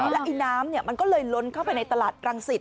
แล้วไอ้น้ำมันก็เลยล้นเข้าไปในตลาดรังสิต